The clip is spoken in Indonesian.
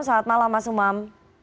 selamat malam mas umam